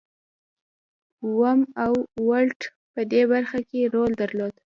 اوم او ولټ په دې برخه کې رول درلود.